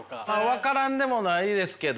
分からんでもないですけど。